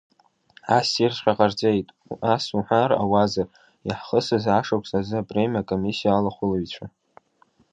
Ассирҵәҟьа ҟарҵеит, ас уҳәар ауазар, иаҳхысыз ашықәс азы апремиа акомиссиа алахәылаҩцәа.